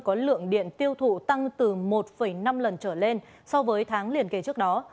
có lượng điện tiêu thụ tăng từ một năm lần trở lên so với tháng liền kề trước đó